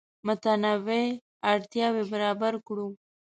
متنوع اړتیاوې برابر کړو.